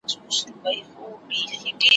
غوټۍ د ارمـــــــــانونو د بهار پۀ ارمان مړې شوې